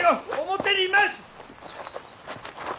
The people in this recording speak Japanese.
表にいます！